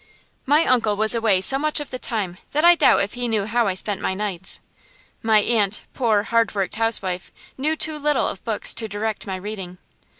My uncle was away so much of the time that I doubt if he knew how I spent my nights. My aunt, poor hard worked housewife, knew too little of books to direct my reading.